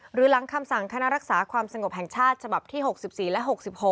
หลังคำสั่งคณะรักษาความสงบแห่งชาติฉบับที่๖๔และ๖๖